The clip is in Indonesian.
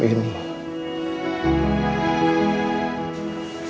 tapi malam ini